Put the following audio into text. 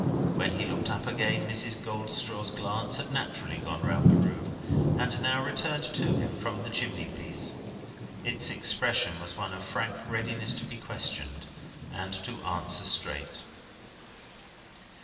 When he looked up again, Mrs. Goldstraw's glance had naturally gone round the room, and now returned to him from the chimney piece. Its expression was one of frank readiness to be questioned, and to answer straight.